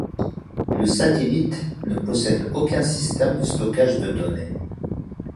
Le satellite ne possède aucun système de stockage de données.